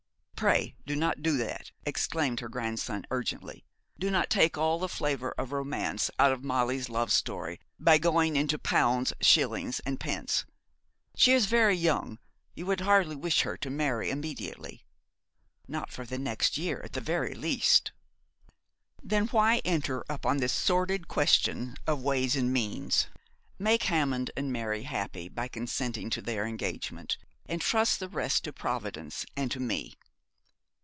'Pray do not do that,' exclaimed her grandson urgently. 'Do not take all the flavour of romance out of Molly's love story, by going into pounds, shillings, and pence. She is very young. You would hardly wish her to marry immediately?' 'Not for the next year, at the very least.' 'Then why enter upon this sordid question of ways and means. Make Hammond and Mary happy by consenting to their engagement, and trust the rest to Providence, and to me.